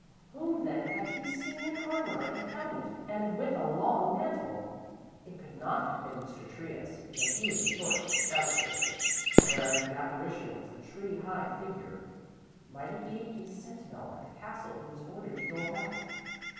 Whom then, had he seen in armor and helmet and with a long mantle? It could not have been Mr. Trius, because he was a short, stout person, whereas the apparition was a tree high figure. Might it be a sentinel at the castle who was ordered to go about?